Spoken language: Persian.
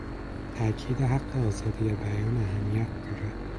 تاکید حق آزادی بیان اهمیت دارد.